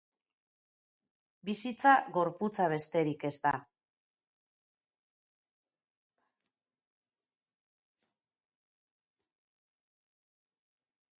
Bizitza gorputza besterik ez da.